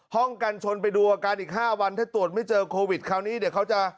กันชนไปดูอาการอีก๕วันถ้าตรวจไม่เจอโควิดคราวนี้เดี๋ยวเขาจะ